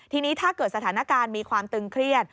ทีนี้ถ้าเกิดสถานการณ์มีความตึงเครียด